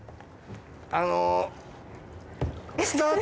あの。